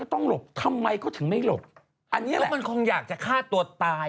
ต้องเห็นอยู่แล้วว่าคารมันไม่ได้สูงเนี่ยเจ้าเจ้า